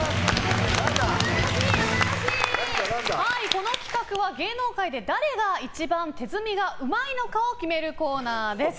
この企画は芸能界で誰が一番手積みがうまいのかを決めるコーナーです。